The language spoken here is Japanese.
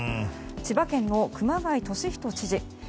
千葉県の熊谷俊人知事。